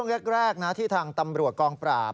นี่ช่วงแรกที่ทางตำรวจกองปราบ